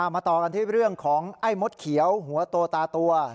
มาต่อกันที่เรื่องของไอ้มดเขียวหัวโตตาตัว